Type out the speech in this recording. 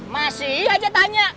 masih aja tanya